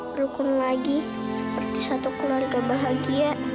berhukum lagi seperti satu keluarga bahagia